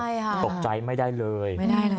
ใช่ค่ะไม่ได้เลยนะคะตกใจไม่ได้เลย